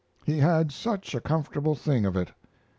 He had such a comfortable thing of it!